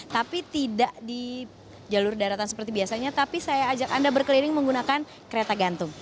tapi tidak di jalur daratan seperti biasanya tapi saya ajak anda berkeliling menggunakan kereta gantung